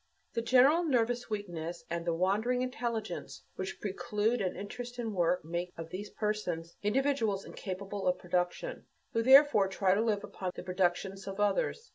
The general nervous weakness and the wandering intelligence which preclude an interest in work make of these persons individuals incapable of production, who therefore try to live upon the productions of others.